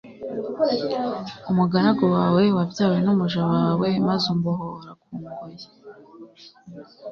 umugaragu wawe wabyawe n'umuja wawe, maze umbohora ku ngoyi